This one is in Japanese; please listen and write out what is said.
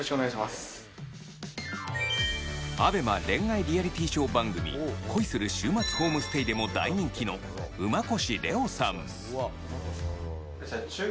恋愛リアリティショー番組『恋する♥週末ホームステイ』でも大人気の馬越零生さん。